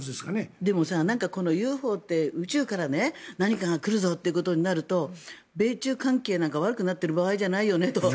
でも、ＵＦＯって宇宙から何かが来るぞとなると米中関係なんか悪くなってる場合じゃないよねと。